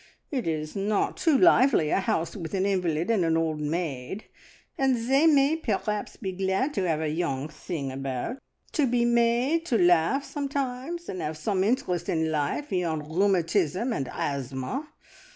It is not too lively, a house with an invalid and an old maid, and they may perhaps be glad to have a young thing about; to be made to laugh sometimes and have some interest in life beyond rheumatism and asthma!